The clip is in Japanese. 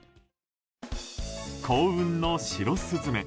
幸運の白スズメ